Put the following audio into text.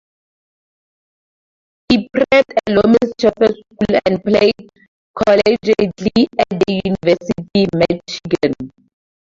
He prepped at Loomis Chaffee School and played collegiately at the University of Michigan.